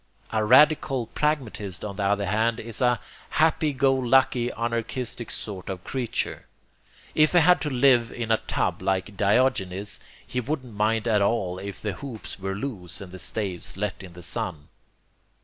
A radical pragmatist on the other hand is a happy go lucky anarchistic sort of creature. If he had to live in a tub like Diogenes he wouldn't mind at all if the hoops were loose and the staves let in the sun.